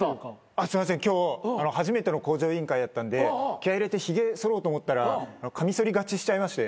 すいません今日初めての『向上委員会』やったんで気合入れてひげそろうと思ったらカミソリ勝ちしちゃいまして。